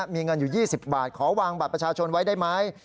มีเงินอยู่๒๐บาทขอวางบัตรประชาชนไว้ได้ไหม